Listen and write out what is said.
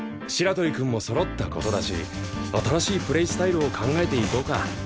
白鳥くんもそろった事だし新しいプレースタイルを考えていこうか。